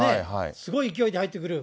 すごい勢いで入ってくる。